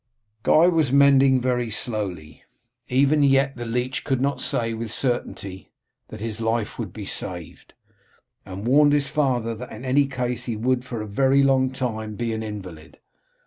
Guy was mending very slowly. Even yet the leech could not say with certainty that his life would be saved, and warned his father that in any case he would for a very long time be an invalid.